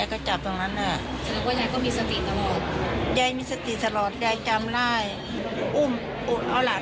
คุณผู้ชมไปฟังเสียงผู้รอดชีวิตกันหน่อยค่ะ